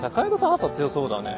朝強そうだね